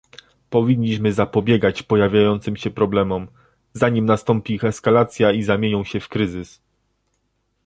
Powinniśmy zapobiegać pojawiającym się problemom, zanim nastąpi ich eskalacja i zamienią się w kryzys